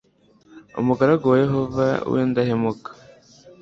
umugaragu wa yehova w’indahemuka